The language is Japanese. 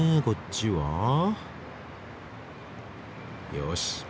よし。